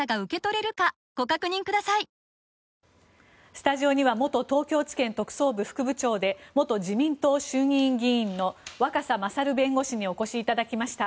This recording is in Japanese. スタジオには元東京地検特捜部副部長で元自民党衆議院議員の若狭勝弁護士にお越しいただきました。